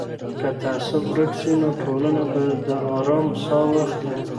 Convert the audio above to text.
که تعصب ورک سي نو ټولنه به د ارام ساه واخلي.